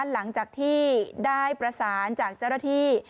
หลังจากที่ได้ประสานจากเจ้าหน้าที่